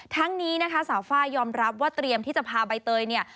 ทั้งนี้นะคะสาวฟ้ายอมรับว่าเตรียมที่จะพาใบเตยเนี่ย